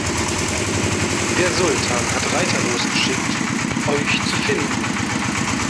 Der Sultan hat Reiter losgeschickt, euch zu finden.